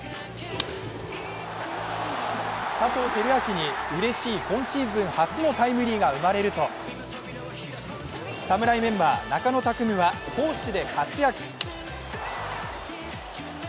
佐藤輝明にうれしい今シーズン初のタイムリーが生まれると侍メンバー、中野拓夢は攻守で活躍。